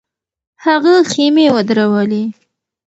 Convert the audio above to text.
هغه خېمې ودرولې.